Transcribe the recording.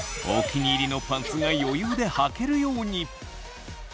お気に入りのパンツが余裕ではけるように。